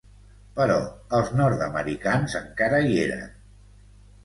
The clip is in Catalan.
Però els nord-americans encara hi eren.